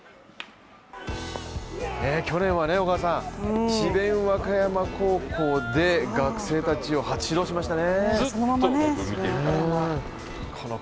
去年は智弁和歌山高校で学生たちを初指導しましたね